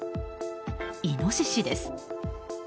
イノシシです。